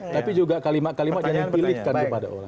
tapi juga kalimat kalimat jangan dipilihkan kepada orang